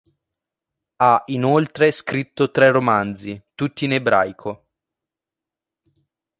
Ha inoltre scritto tre romanzi, tutti in ebraico.